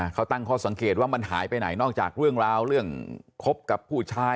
เขาตั้งข้อสังเกตว่ามันหายไปไหนนอกจากเรื่องราวเรื่องคบกับผู้ชาย